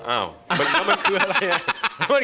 อ้าวแล้วมันคืออะไรอ่ะ